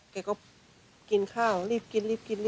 แกก็กินข้าวรีบกิน